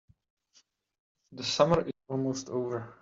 The summer is almost over.